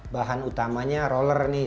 bahan utamanya roller nih